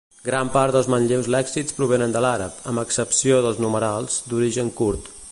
Gran part dels manlleus lèxics provenen de l'àrab, amb excepció dels numerals, d'origen kurd.